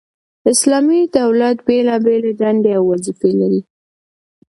اسلامي دولت بيلابېلي دندي او وظيفي لري،